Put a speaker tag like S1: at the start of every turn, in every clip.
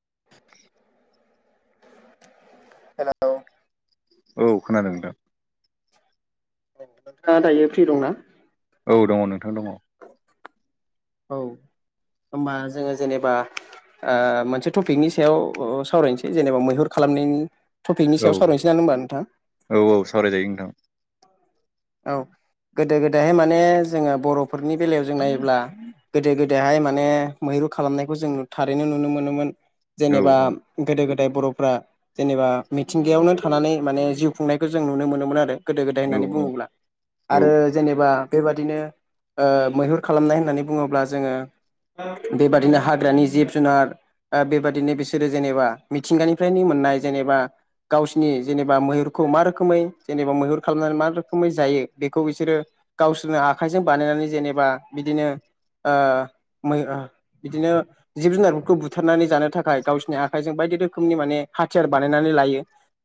S1: [unintelligible]
S2: हेल'
S1: औ खोनादों नोंथां।
S2: [inaudible] नोंथाङा दायो फ्रि दंना?
S1: औ दङ नोंथां दङ।
S2: औ। होमबा जोङो जेनेबा ओ मोनसे टपिकनि सायाव सावरायनोसै जेनेबा मैहुर खालाम। खालाम टपिकनि
S1: औ
S2: सायाव सावहनोसै ना होमबा नोंथां?
S1: औ औ सावरायजायो नोंथां
S2: औ गोदो गोदायहाय माने जोङो बर'फोरनि बेलायाव जों नायोब्ला। गोदो गोदायहाय माने मैरु खालामनायखौ जों थारैनो नुनो मोनोमोन।
S1: औ
S2: जेनेबा
S1: औ
S2: गोदो गोदा दाय बर'फ्रा जेनेबा मिथिंगायावनो थानानै माने जिउ' खुंनायखौ जों नुनो मोनोमोन आरो। गोदो गोदाय
S1: औ
S2: होननानै बुङोब्ला।
S1: औ
S2: आरो जेनेबा बेबादिनो ओ मैहुर' खालामनाय होननानै बुङोब्ला जोङो। [unintelligible] बेबादिनो हाग्रानि जिब जुनार' आ बेबादिनो बिसोरो जेनेबा मिथिंगानिफ्रायनो मोननाय जेनेबा। गावसिरनि जेनेबा मैहुरखौ मा रोखोमै जेनेबा मैहुर खालामनानै मा रोख रोखोमै जायो बेखौ बिसोरो गावसोरनो आखाइजों बानायनानै जेनेबा बिदिनो। ओ मै बिदिनो जिब जुनारफोरखौ बुथारनानै जानो थाखाय गावसिोरनि आखाइजों बाय बायदि रोखोमनि माने हाथियार बानायनानै लायो।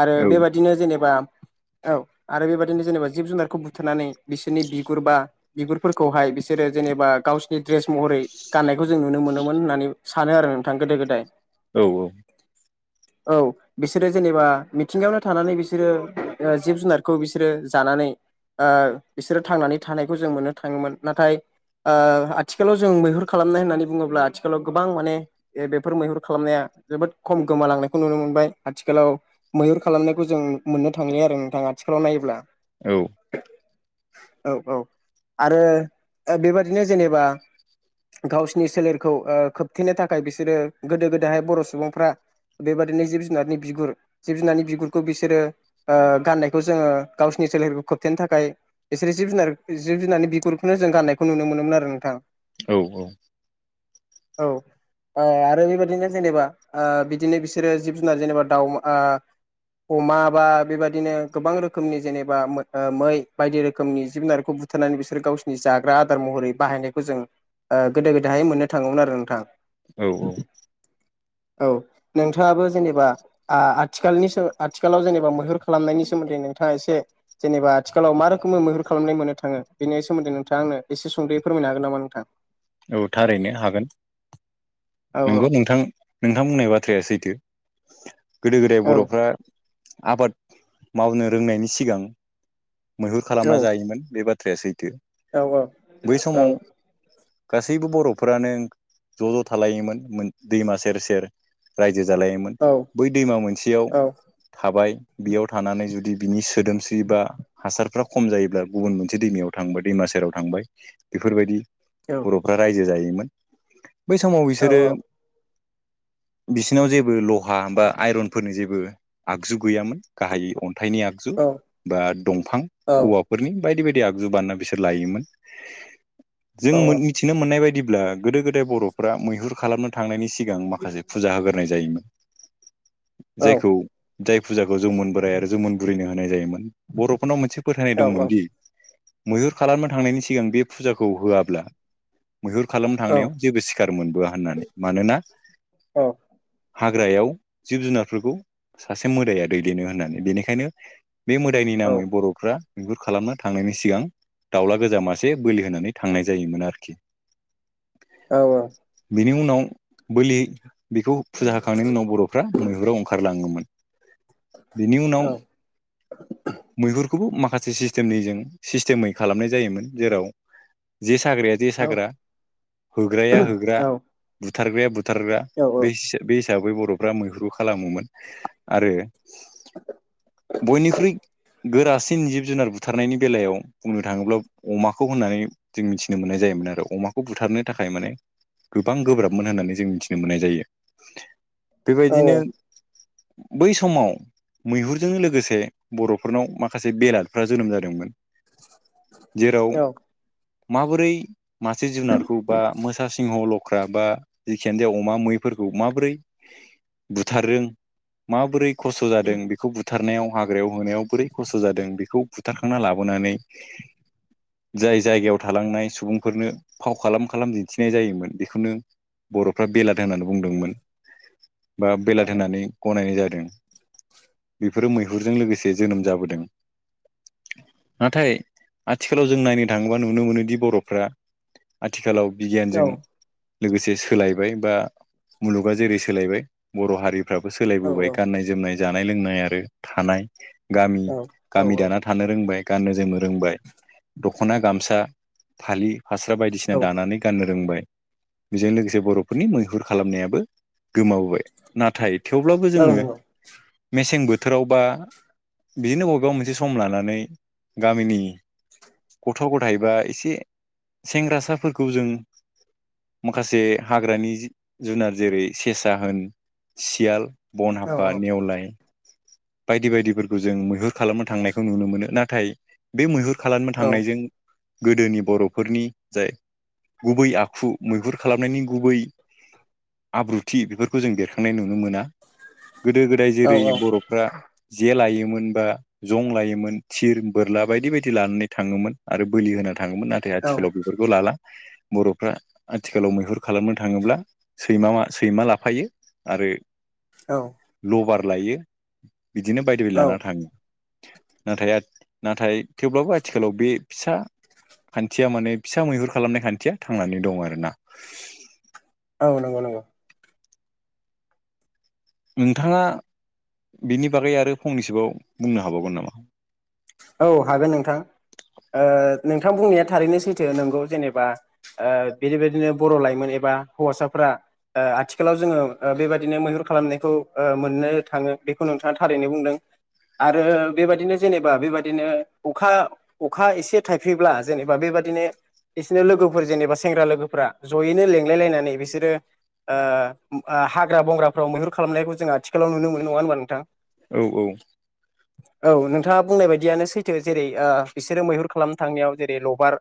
S2: आरो
S1: औ
S2: बेबायाददिनो जेनेबा औ आरो बेबायदिनो जेनेबा। जिब जुनारखौ बुथारनानै बिसोरनि बिगुर बा बिगुरफोरखौहाय बिसोरो जेनेबा गावसिनि दड्रेस महरै। यै गाननायखौ जों नुनो मोनोमोन होननानै सानो आरो नोंथां। गोदो गोदाय।
S1: औ औ।
S2: [unintelligible] औ बिसोरो जेनेबा मिथिंगायावनो थानानै बिसोरो जिब जुनार खौ बिसोरो। जानानै ओ बिसोरो थांनानै थानायखौ जों मोननो थाङोमोन नाथाय। ओ आथिखालाव जों मैहुर खालामनाय होननानै बुङोब्ला आथिखालाव गोबां माने बेफोर मैहुर खालामनाया जोबोद खम गोमालांनायखौ नुनो मोनबाय आथिखालाव मैहुर खालामनायखौ जों मोननो थांलि आरो नोंथाङा। आथिखालाव नायोब्ला।
S1: औ।
S2: औ औ आरो बेबादिनो जेनेबा। गावसिनि सोलेरखौ खोबथेनो थाखाय बिसोरो गोदो गोदहाय बर' सुबुंफ्रा। बेबादिनो जिब जुनारनि बिगुर जिब जुनारनि बिगुरखौ बिसोरो ओ गाननायखौ जोङो गावसिन निनि सोलेरखौ खोबथेनो थाखाय बिसोर जिब जुनार जिब जुनारनि बिगुरखौनो जों गाननायखौ नुनो मोनोमोन आरो नोंथां
S1: औ औ।
S2: औ ओ आरो बेबायदिनो जेनेबा आ बिदिनो बिसोरो जिब जुनार जेनेबा दाउ आ अमा बा बेबदिनो गोबां रोखोमनि जेनेब बा मै बायदि रोखोमनि जिब जुनारखौ बुथारनानै बिसोरो गावसिरनि जाग्रा आदार महरै' बाहायनायखौ जों ओ गोदो गोदायहाय मोननो थाङोमोन आरो नोंथां।
S1: औ
S2: औ नोंथाङाबो जेनेबा आ आ आथिखालनि आथिखालाव जेनेबा मैहुर खालामनायनि सोमोन्दै नों एसे जेनेबा आथिखालाव मा रोखोमै मैहुर खालामनाय मोननो थाङो बेनि सोमोन्दै नोंथाङांनो एसे सुंद'यै फोरमायनो हागोन नामा नोंथां?
S1: औ थारैनो हागोन।
S2: औ औ
S1: नंगौ नोंथां नोंथां बुंनाय बाथ्राया सैथो। गोदो गोदाय
S2: औ
S1: बर'फ्रा आबाद मावनो रोंनायनि सिगां मैहुर खालामना जायोमोन बे बाथ्राया सैथो।
S2: औ औ
S1: बै
S2: औ
S1: समाव गासैबो बर'फोरानो ज' ज' थालायोमोन दैमा सेर से रायजो। जालायोमोन
S2: औ
S1: बै दैमा मोनसेयाव
S2: औ
S1: थाबाय। बेयाव थानानै जुदि बिनि सोदोमस्रि बा। हासारफ्रा खम जायोब्ला गुबुन मोनसे दैमायाव थांबाय दैमा सेराव थांबाय बेफोरबायदि।
S2: औ
S1: बर'फ्रा रायजो जायोमोन बै समाव
S2: औ
S1: बिसोरो बिसिनाव जेबो लहा बा आइरनफोरनि जेबो आगजु गैयामोन गाहायै अन थाइनि आगजु
S2: औ
S1: बा दंफां
S2: औ
S1: औवाफोरनि बायदि बायदि आगजु बानायना बिसोर लायोमोन। जों मिथिनो मोननाय बायदि ब्ला गोदो गोदाय बर'फ्रा मैहुर खालामनो थांनायनि सिगां माखासे फुजा होग्रोनाय जायोमोन। जायखौ
S2: औ
S1: जाय फुजाखौ जौमोन बोराय आरो जौमोन बुरैनो होनाय जायोमोन। बर'फोरनाव मोनसे फोथायनाय दंमोनदि मैहुर खालामनो थांनायनि सिगां बे फुजाखौ होआब्ला मैहुर खालामनो थांनायाव
S2: औ
S1: जेबो सिखार मोनबोआ होननानै। मानोना
S2: औ
S1: हाग्रायाव जिब जुनारफोरखौ सासे मोदाया दैदेनो होननानै बेनिखायनो बे मो दायनि
S2: औ
S1: नामै बर'फ्रा मैहुर खालामनो थांनायनि सिगां दाउला गोजा मासे बोलि होनानै थांनाय जायोमोन आरोखि।
S2: औ औ।
S1: बेनि उनाव बोलि बेखौ फुजा होखांनायनि उनाव बर'फ्रा मैहुराव ओंखारलाङोमोन। बेनि उनाव मैहुरखौबो माखासे सिस्टेमै जों सिस्टेमै खालामनाय जायोमोन जेराव जे साग्राया जे साग्रा होग्राया होग्रा बु थारग्रा बे बे हिसाबै बर'फ्रा मैहुरु खालामोमोन आरो
S2: [inaudible]
S1: बयनिख्रुइ गोरासिन जिब जुनार बुथारनायनि बेलायाव बुंनो थाङोब्ला अमाखौ होननानै जों मिथिनो मोननाय जा योमोन आरो अमाखौ बुथारनो थाखाय माने गोबां गोब्राबमोन होननानै जों मिथिनो मोननाय जायो। बेबायदिनो बै समाव मैहुर जों लोगोसे बर'फोरनाव माखासे बेलाथफ्रा जोनोम जादोंमोन। जेराव
S2: औ
S1: माबोरै मासे जुनारखौ बा मोसा सिंहल' लख्रा बा जिखियानो जा अमा मैफोरखौ माबोरै बुथारदों माबोरै खस्थ' जादों बेखौ बुथारनायाव हाग्रायाव होनायाव बोरै खस्थ' जादों बेखौ बुथारखांना लाबोनानै
S2: [inaudible]
S1: जाय जायगायाव थालांनाय सुबुंफोरनो फाव खालाम खालाम दिन्थिनाय जायोमोन बेखौनो बर'फ्रा बेलाथ होननानै बुंदोंमोन।
S2: [inaudible]
S1: बा बेलाथ होननानै गनायनाय जादों। बेफोरो मैहुरजों लोगोसे जोनोम जाबोदों। नाथाय आथिखालाव जों नायनो थाङोबा नुनो मोनोदि बर'फ्रा आथिखालाव बिगियानजों लोगोसे सोलायबाय बा मुलुगा जेरै सोलायबाय बर' हारि फ्राबो सोलायबोबाय गाननाय जोमनाय जानाय लोंनाय आरो थानाय गामि
S2: औ
S1: गामि दाना थानो रोंबाय। गाननो जोमनो रोंबाय दख'ना गामसा फालि फास्रा बायदिसिना
S2: औ
S1: दानानै गाननो रोंबाय। बिजों लोगोसे बर'फोरनि मैहुर खालामनायाबो गोमाबोबाय। नाथाय थेवब्लाबो जोङो
S2: नंगौ
S1: मेसें बोथोरावबा बिनो अबेबा मोनसे सम लानानै गामिनि गथ' गथाय बा एसे सेंग्रासाफोरखौ जों माखासे हाग्रानि जि जुनार जेरै सेसा होन सियाल बन
S2: औ औ औ
S1: हाफा नेवलाय बायदि बायदिफोरखौ जों मैहुर खालामनो थांनायखौ नुनो मोनो नाथाय बे मैहुर खालामनो थांनायजों गोदोनि बरफोरनि जाय गुबै आखु मैहुर खालामनायनि गुबै आब्रुथि बेफोरखौ जों बेरखांनाय नुनो मोना गोदो
S2: औ
S1: गोदाय जेरै बर जे लायोमोन बा जं लायोमोन थिर बोरला बायदि बायदि लानानै थाङोमोन आरो बोलि होना थाङोमोन नाथाय आथिखालाव
S2: औ
S1: बेफोरखौ लाला बरफ्रा आथिखालाव मैहुर खालामनो थाङोब्ला सैमा मा सैमा लाफायो आरो लबार लायो बिदिनो बायदि बायदि लाना थाङो नाथाय आ नाथाय थेवब्लाबो आथिखालाव बे फिसा खान्थिया माने फिसा मैहुर खालामनाय खान्थिया थांनानै दं आरोना
S2: औ नंगौ नंगौ
S1: नोंथाङा बिनि बागै आरो फंनैसोबाव बुंनो हाबावगोन नामा?
S2: हागोन नोंथां ओ नोंथां बुंनाया थारैनो सैथो नोंगौ जेनेबा ओ बेनिबायदिनो बर लाइमोन एबा हौवासाफोरा आ ओ आथिखालाव जोङो ओ बेबायदिनो मैहुर खालामनायखौ ओ मोननो थाङो बेखौ नोंथाङा थारैनो बुंदों आरो बेबायदिनो जेनेबा बेबा दिनो अखा अखा इसे थायफ्रिब्ला जेनेबा बेबादिनो बिसोरनि लोगोफोर जेनेबा सेंग्रा लोगोफ्रा जयैनो लेंलाय लायनानै बिसोरो ओ आ हाग्रा बंग्राफ्राव मैहुर खालामनायखौ जों आथिखालाव नुनो मोनो नङा होनबा नोंथां?
S1: औ औ
S2: औ नोंथाङा बुंनाय बायदियानो सैथो जेरै आ बिसोरो मैहुर खालामनो थांनायाव जेरै लबार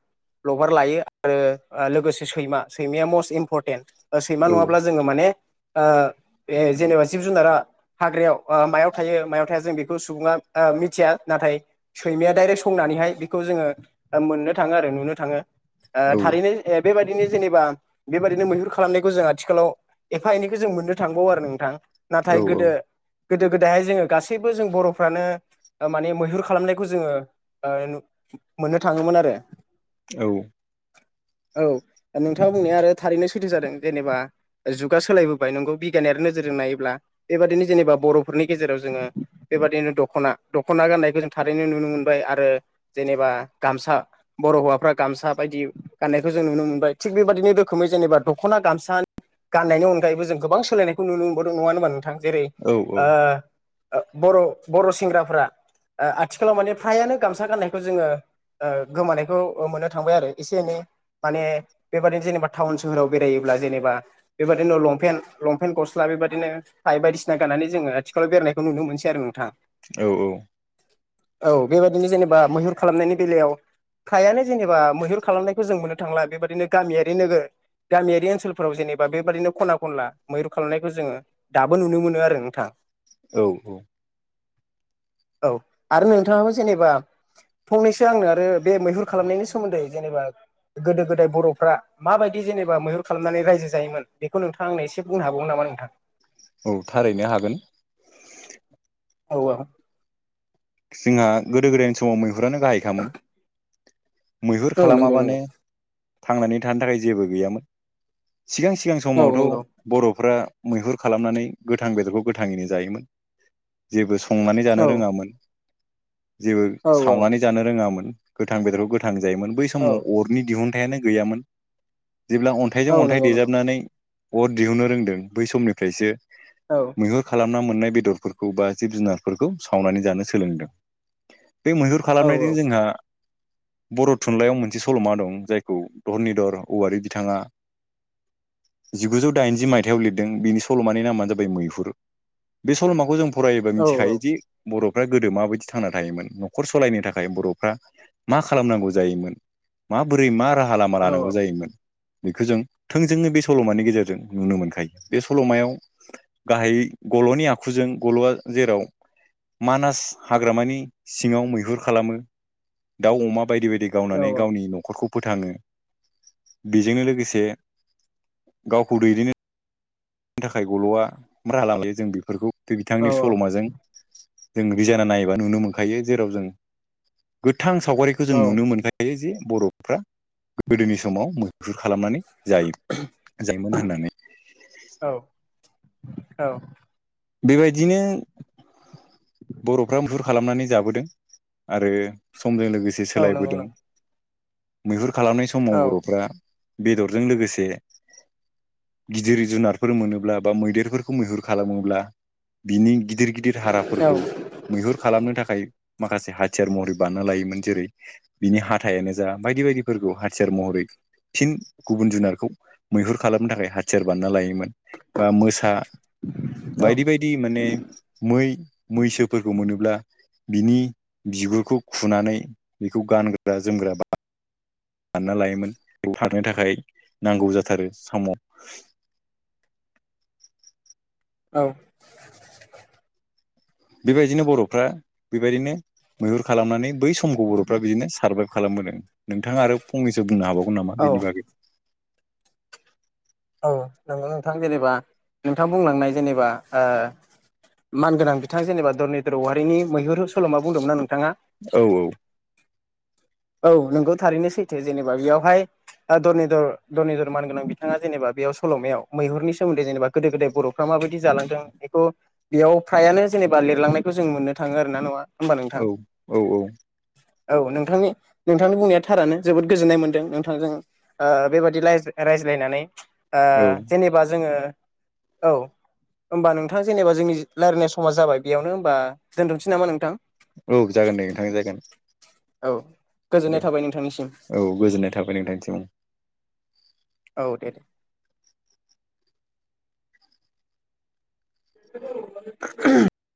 S2: लबार लायो आरो ओ लोगोसे सैमा सैमाया मस्ट इम्परटेन्ट ओ सैमा
S1: औ
S2: नङाब्ला जोङो माने ओ ए जेनेबा जिब जुनारा हाग्रायाव ओ मायाव थायो मायाव थाया जों बेखौ सुबुङा आ मिथिया नाथाय सैमाया दाइरेक्ट संनानैहाय बिखौ जोङो ओ मोननो थाङो आरो नुनो थाङो ओ
S1: औ
S2: थारैनो ओ बेबायदिनो जेनेबा बेबायदिनो मैहुर खालामनायखौ जों आथिखालाव एफा एनैखो जों मोननो थांबावो आरो नोंथां नाथाय
S1: औ
S2: गोदो गोदो गोदायहाय जोङो गासैबो जों बरफ्रानो ओ माने मैहुर खालामनाय खौ जोङो ओ नु मोननो थाङोमोन आरो
S1: औ
S2: औ ओ नोंथाङा बुंनाया आरो थारैनो सैथो जादों जेनेबा ओ जुगा सोलायबोबाय नोंगौ बिगियानारि नोजोरजों नायोब्ला बेबादिनो जेनेबा बरफोरनि गेजेराव जोङो बेबादिनो दखना दखना गान्नायखौ जों थारैनो नुनो मोनबाय आरो जेनेबा गामसा बर हौवाफ्रा गामसा बायदि गाननायखौ जो जों नुनो मोनबाय थिग बेबादिनो रोखोमै जेनेबा दखना गामसा गाननायनि अनगायैबो जों गोबां सोलायनायखौ नुनो मोनबावदों नङा होनबा नोंथां? जेरै
S1: औ
S2: ओ ओ बर बर सेंग्राफ्रा आ आथिखालाव माने फ्रायानो गामसा गाननायखौ जोङो ओ गोमानायखौ ओ मोननो थांबाय आरो इसे एनै माने बेबादिनो जेनेबा थाउन सोहोराव बेरायोब्ला ब्ला जेनेबा बेबादिनो लंफेन लंफेन गस्ला बेबादिनो थाय बायदिसिना गाननानै जोङो आथिखालाव बेर [unintelligible] खौ नुनो मोनसै आरो नोंथां।
S1: औ औ।
S2: औ बेबायदिनो जेनेबा मैहुर खालामनायनि बेलायाव हायानो जेनेबा मैहुर खालामनायखौ जों मोननो थांला बेबायदिनो गामियारि नोगो गामियारि ओनसोलफोराव जेनेबा बेबादिनो खना खनला मैहुर खालामनायखौ जोङो दाबो नुनो मोनो आरो नोंथां।
S1: औ औ।
S2: औ आरो नोंथाङाबो जेनेबा फंनैसो आंनो आरो बे मैहुर खालामनायनि सोमोन्दै जेनेबा गोदो गोदाय बर'फ्रा माबायदि जेनेबा मैहुर खालामनानै रायजो जायोमोन बेखौ नोंथाङा आंनो एसे बुंनो हागौमोन नामा? औ नोंथां।
S1: औ थारैनो हागोन
S2: औ औ!
S1: जोंहा गोदो गोदायनि समाव मैहुरानो गाहायखामोन। मैहुर
S2: औ औ नंगौ
S1: खालामाबानो
S2: नंगौ
S1: थांनानै थानो थाखाय जेबो गैयामोन सिगां सिगां
S2: औ
S1: समावथ'
S2: नंगौ
S1: बर'फ्रा मैहुर खालामनानै गोथां बेदरखौ गोथाङैनो जायोमोन जेबो संनानै
S2: औ
S1: जानो रोङामोन जेबो सावनानै
S2: औ
S1: जानो रोङामोन गोथां बेदरखौ गोथां जायोमोन बै
S2: औ
S1: समाव अरनि दिहुन अन्थायानो गैयामोन जेब्ला अन्थाइजों
S2: औ
S1: अन्थाइ
S2: नंगौ नंगौ
S1: देेजाबनानै अर दिहुननो रोंदों बै समनिफ्रायसो
S2: औ
S1: मैहुर खालाम। संना मोननाय बेदरफोरखौ बा जिब जुनारफोरखौ सावनानै जानो सोलोंदों बे मैहुर
S2: औ
S1: खालामनायजों जोंहा बर' थुनलाइयाव मोनसे सल'मा दं जायखौ धरनिधर औवारि बिथाङा! जिगुजौ दाइनजि मायथाइयाव लिरदों बिनि सल'मानि नामानो जाबाय मैहुर बे सल'माखौ जोंङो फरायोबा
S2: औ औ
S1: मिथिखायोदि बर' फ्राय गोदो माबायदि थांना थायोमोन न'खर सालायनो थाखाय बर'फ्रा मा खालामनांगौ जायोमोन माबोरै मा राहा लामा
S2: औ
S1: लानांगौ जायोमोन? बेखौ जों थोंजोंनो बे सल'मानि गेजेरजों नुनो मोनखायो बे सल'मायाव गाहायै गल'नि आखुजों गल'आ जेराव
S2: [inaudible]
S1: मानास हाग्रामानि सिङाव मैहुर खालामो दाउ अमा बायदि बायदि गावनानै
S2: औ
S1: गावनि न'खरखौ फोथाङो बेजोंनो लोगोसे गावखौ दैदेननो नि थाखाय गल'आ बारा लां लायो जों बेफोरखौ बिथांनि सल'माजों जों रिजायना नायोबा नुनो मोनखायो जेराव जों गोथां सावगारिखौ जों
S2: औ
S1: नुनो मोनखायो जे बर'फ्रा गोदोनि समाव मोजां मैहुर खालामनानै जायो जायोमोन होननानै
S2: औ।
S1: बेबायदिनो बर'फ्रा मुहुर खालामनानै जाबोदों आरो। समजों लोगोसे
S2: औ नंगौ
S1: सोलायबोदों मैहुर खालामनाय समाव
S2: नंगौ
S1: बर'फ्रा बेदरजों लोगोसे गिदिर जुनारफोर मोनोब्ला बा मैदेरफोरखौ मैहुर खालामोब्ला। बिनि गिदिर गिदिर
S2: औ
S1: हाराफोरखौ मैहुर खालामनो थाखाय माखासे हाथियार महरै बानायना लायोमोन जेरै बिनि हाथाइानो जा बायदि बायदिफोरखौ हाथियार महरै फिन गुबुन जुनारखौ मैहुर खालामनो थाखाय हाथियार बानना लायोमोन। बा मोसा बायदि बायदि माने मै मैसोफोरखौ मोनोब्ला बिनि बिगुरखौ खुनानै बेखौ गानग्रा जोमग्रा ब दानना लायोमोन बेयाव थांनो थाखाय नांगौ जाथारो साम'
S2: [inaudible] औ
S1: बेबायदिनो बरफ्रा बेबायदिनो मैहुर खालामनानै बै समखौ बरफ्रा बिदिनो सारबाइब खालामबोदों नोंथाङा आरो फंनैसो बुंनो हाबावगोन नामा बेनि
S2: औ
S1: बागै?
S2: औ नंगौ नोंथां जेनेबा नोंथां बुंलांनाय जेनेबा ओ मानगोनां बिथां जेनेबा धरनिधर औवारिनि मैहुरनि सलमा बुंदोंमोना नों
S1: औ औ
S2: औ नोंगौ थारैनो सैथो जेनेबा बेयावहाय ओ धरनीधर धरनीधर मानगोनां बिथाङा जेनेबा बेयाव सलमायाव मैहुरनि सोमोन्दै जेनेबा गोदो गोदाय बरफ्रा मा बायदि जालांदों बेखौ बेयाव फ्रायानो जेनेबा लिरलांनायखौ जों मोननो थाङो आरो ना नङा? होमबा नोंथां
S1: औ औ औ
S2: औ नोंथांनि नोंथांनि बुंनाया थारानो जोबोद गोजोननाय मोनदों नोंथांजों ओ बेबादि रायज्ला रायज्लायनानै। ओ
S1: औ
S2: जेनोबा जोङो औ। होमबा नोंथां जेनोबा जोंनि रायज्लायनाय समा जाबाय बेयावनो होनबा दोनथनोसै नामा नोंथां?
S1: औ जागोन दे नोंथां जागोन।
S2: औ गोजोननाय
S1: देऔ
S2: थाबाय नोंथांनिसिम
S1: औ गोजोननाय थाबाय नोंथांनिसिम औ।
S2: औ दे दे। [unintelligible]